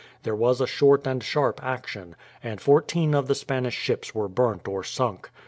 There was a short and sharp action, and fourteen of the Spanish ships were burnt or sunk.